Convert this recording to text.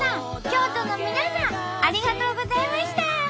京都の皆さんありがとうございました。